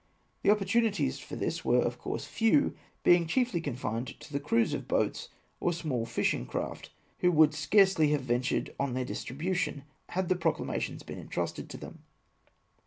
The opportunities for this were, of course, few, being chiefly confined to the crews of boats or small fishing craft, who would scarcely have ventured on then" distribution, had the proclamation been en trusted to them.